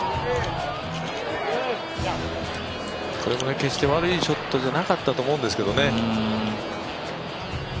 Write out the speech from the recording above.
これも決して悪いショットじゃなかったと思うんですけどね。